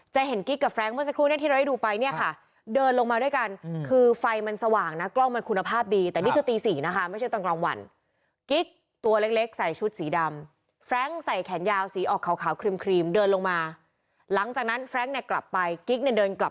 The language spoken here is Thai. จะเห็นกิ๊กกับแฟรงก์เพื่อสักครู่เนี่ยที่เราได้ดูไปเนี่ยค่ะ